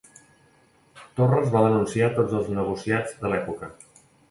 Torres va denunciar tots els negociats de l'època.